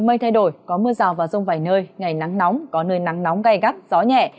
mây thay đổi có mưa rào và rông vài nơi ngày nắng nóng có nơi nắng nóng gai gắt gió nhẹ